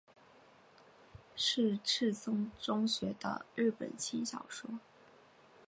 是赤松中学的日本轻小说。